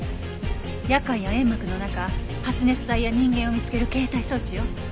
夜間や煙幕の中発熱体や人間を見つける携帯装置よ。